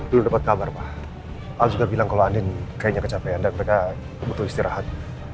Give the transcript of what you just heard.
dulu dapat kabar pak al juga bilang kalau anin kayaknya kecapean dan mereka butuh istirahat